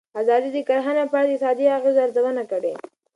ازادي راډیو د کرهنه په اړه د اقتصادي اغېزو ارزونه کړې.